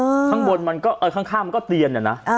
เออข้างบนมันก็เอ่อข้างข้ามมันก็เตียนเนี่ยน่ะเออ